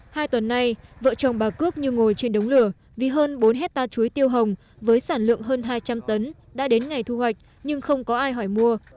hai tuần nay vợ chồng bà cước như ngồi trên đống lửa vì hơn bốn hectare chuối tiêu hồng với sản lượng hơn hai trăm linh tấn đã đến ngày thu hoạch nhưng không có ai hỏi mua